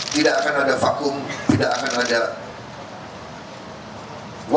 tidak akan ada vakum tidak akan ada